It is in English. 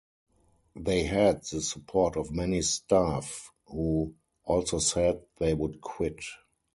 They had the support of many staff who also said they would quit.